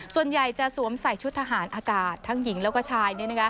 ส่วนใหญ่จะสวมใส่ชุดทหารอากาศทั้งหญิงแล้วก็ชาย